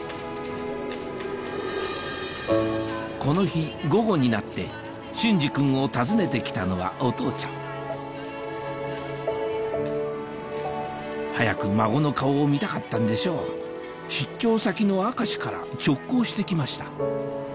この日午後になって隼司君を訪ねて来たのはお父ちゃん早く孫の顔を見たかったんでしょう出張先の明石から直行して来ました